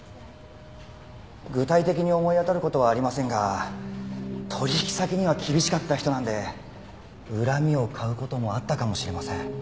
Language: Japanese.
具体的に思い当たる事はありませんが取引先には厳しかった人なので恨みを買う事もあったかもしれません。